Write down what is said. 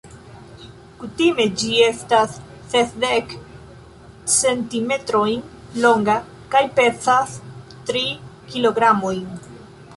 Kutime ĝi estas sesdek centimetrojn longa kaj pezas tri kilogramojn.